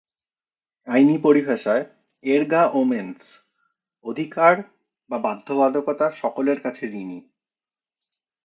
আইনি পরিভাষায়, "এরগা ওমেনস" অধিকার বা বাধ্যবাধকতা "সকলের কাছে" ঋণী।